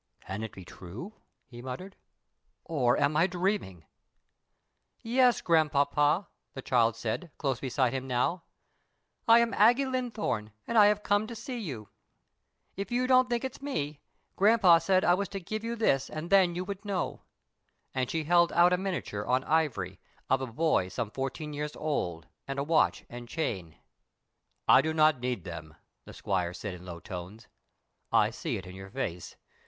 "Can it be true," he muttered, "or am I dreaming?" "Yes, grandpapa," the child said, close beside him now, "I am Aggie Linthorne, and I have come to see you. If you don't think it's me, grampa said I was to give you this and then you would know;" and she held out a miniature on ivory of a boy some fourteen years old, and a watch and chain. "I do not need them," the squire said in low tones, "I see it in your face.